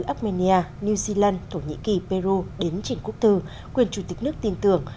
armenia new zealand thổ nhĩ kỳ peru đến trình quốc tư quyền chủ tịch nước tin tưởng